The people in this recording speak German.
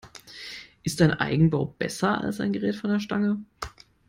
Ist ein Eigenbau besser als ein Gerät von der Stange?